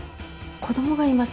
子供がいます。